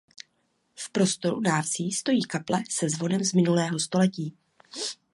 V prostoru návsi stojí kaple se zvonem z minulého století.